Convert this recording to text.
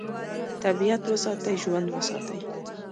طبیعت وساتئ، ژوند وساتئ.